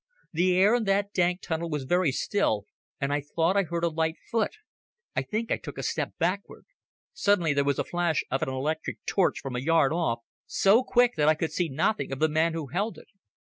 The air in that dank tunnel was very still, and I thought I heard a light foot. I think I took a step backward. Suddenly there was a flash of an electric torch from a yard off, so quick that I could see nothing of the man who held it.